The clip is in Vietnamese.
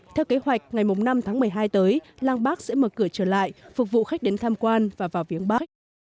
theo kế hoạch ngày năm tháng một mươi hai tới lăng bác sẽ mở cửa trở lại phục vụ khách đến tham quan và vào viếng bắc